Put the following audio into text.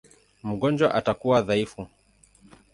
Mgonjwa atakuwa dhaifu.